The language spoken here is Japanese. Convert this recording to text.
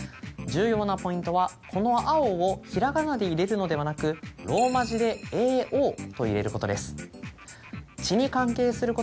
重要なポイントはこの「青」を平仮名で入れるのではなくローマ字で「ＡＯ」と入れることです。